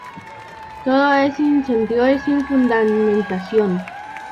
Todo es sin sentido y "sin fundamentación".